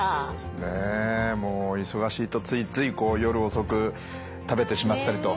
もう忙しいとついつい夜遅く食べてしまったりと。